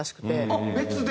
あっ別で？